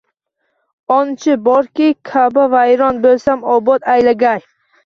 Oncha borki, Ka`ba vayron bo`lsa obod aylagay